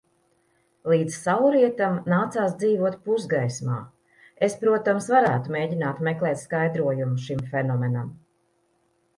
Līdz saulrietam nācās dzīvot pusgaismā. Es, protams, varētu mēģināt meklēt skaidrojumu šim fenomenam.